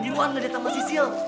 you want ngedet sama sisil